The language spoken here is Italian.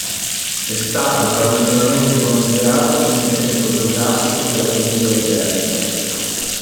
È stato tradizionalmente considerato come il centro geografico della penisola iberica.